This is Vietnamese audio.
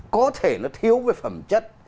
có thể nó thiếu về phẩm chất